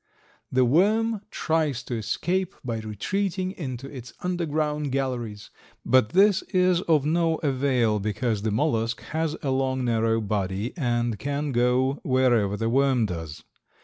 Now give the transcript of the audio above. The worm tries to escape by retreating into its underground galleries, but this is of no avail because the mollusk has a long, narrow body and can go wherever the worm does.